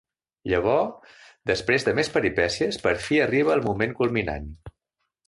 Llavors, després de més peripècies, per fi arriba el moment culminant.